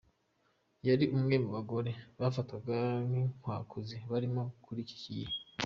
Yari umwe mu bagore bafatwaga nk’inkwakuzi bariho muri icyo gihe.